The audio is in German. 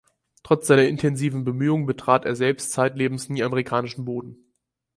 Trotz seiner intensiven Bemühungen betrat er selbst zeitlebens nie amerikanischen Boden.